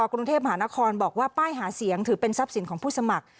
กรุงเทพมหานครบอกว่าป้ายหาเสียงถือเป็นทรัพย์สินของผู้สมัคร